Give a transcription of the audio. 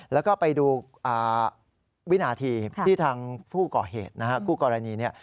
แล้วก็ไปดูวินาทีที่ทางผู้ก่อเหตุผู้กรณี